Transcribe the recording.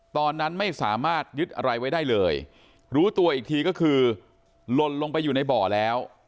ตอนนั้นไม่สามารถยึดอะไรไว้ได้เลยรู้ตัวอีกทีก็คือหล่นลงไปอยู่ในบ่อแล้ว